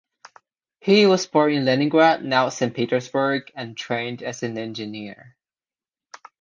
He was born in Leningrad (now St Petersburg) and trained as an engineer.